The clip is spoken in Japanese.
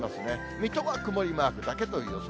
水戸は曇りマークだけという予想。